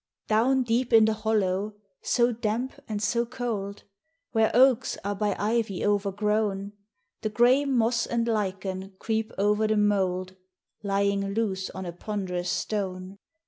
Down deep in the hollow, so damp and so cold, Where oaks are by ivy o'ergrown, The gray moss and lichen creep over the mould, Lying loose on a ponderous stone.